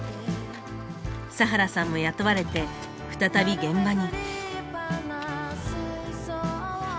佐原さんも雇われて再び現場に。